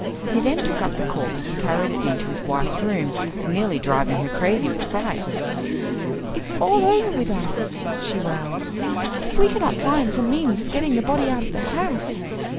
He then took up the corpse and carried it into his wife's room, nearly driving her crazy with fright. "It is all over with us!" she wailed, "if we cannot find some means of getting the body out of the house.